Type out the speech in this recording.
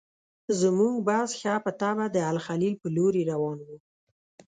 زموږ بس ښه په طبعه د الخلیل پر لوري روان و.